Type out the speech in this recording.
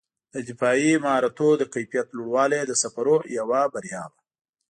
د دفاعي مهارتونو د کیفیت لوړوالی یې د سفرونو یوه بریا وه.